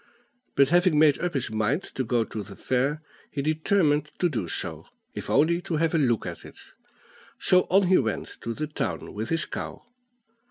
But, having made up his mind to go to the fair, he determined to do so, if only to have a look at it; so on he went to the town with his cow.